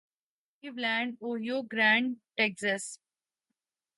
Cleveland Ohio گارینڈ Texas